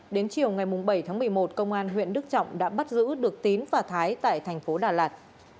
đến chiều ngày bảy tháng một mươi một công an huyện đức trọng đã bắt giữ được tín và thái tại thành phố đà lạt